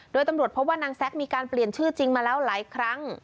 โดยตำรวจพบว่านางแซ็กมีการเปลี่ยนชื่อจริงมาแล้วหลายครั้ง